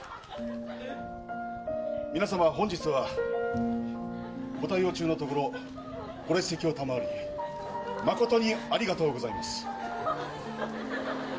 皆様、本日はご対応中のところ、ご列席を賜り、誠にありがとうございます。